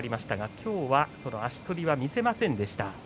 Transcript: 今日は足取りは見せませんでした。